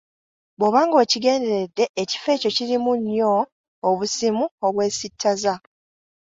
Bw’oba ng’okigenderedde ekifo ekyo kirimu nnyo obusimu obwesittaza.